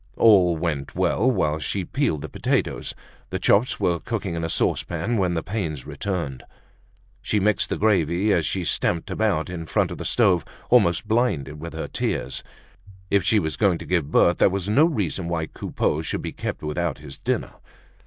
All went well while she peeled the potatoes. The chops were cooking in a saucepan when the pains returned. She mixed the gravy as she stamped about in front of the stove, almost blinded with her tears. If she was going to give birth, that was no reason why Coupeau should be kept without his dinner.